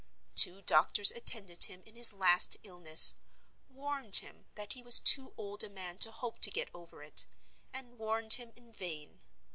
Two doctors attended him in his last illness; warned him that he was too old a man to hope to get over it; and warned him in vain.